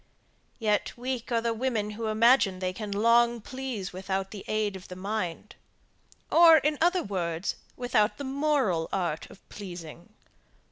Yet, weak are the women who imagine that they can long please without the aid of the mind; or, in other words, without the moral art of pleasing.